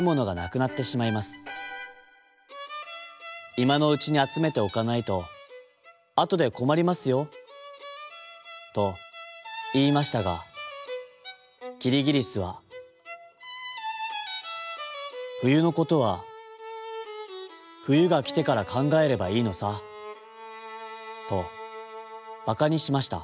いまのうちにあつめておかないとあとでこまりますよ」といいましたがキリギリスは「ふゆのことはふゆがきてからかんがえればいいのさ」とばかにしました。